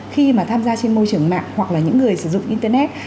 khi mà tham gia trên môi trường mạng hoặc là những người sử dụng internet